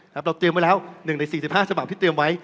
เราเตรียมไว้แล้ว๑ใน๔๕ฉบับที่เตรียมไว้